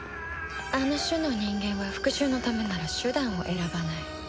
あの種の人間は復讐のためなら手段を選ばない。